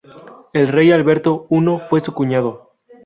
El rey Alberto I fue su cuñado.